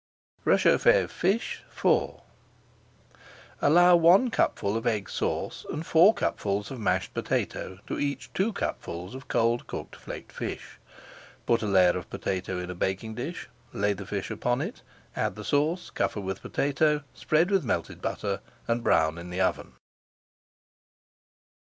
RÉCHAUFFÉ OF FISH IV Allow one cupful of Egg Sauce and four cupfuls of mashed potato to each two cupfuls of cold cooked flaked fish. Put a layer of potato in a baking dish, lay the fish upon it, add the sauce, cover with potato, spread with melted butter, and brown in the oven.